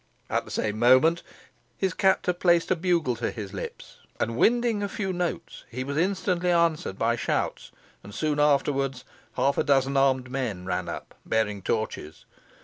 At the same moment his captor placed a bugle to his lips, and winding a few notes, he was instantly answered by shouts, and soon afterwards half a dozen armed men ran up, bearing torches.